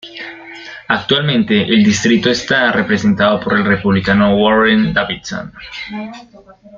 Actualmente el distrito está representado por el Republicano Warren Davidson.